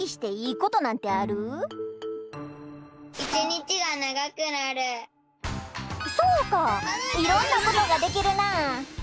みんなそうかいろんなことができるな。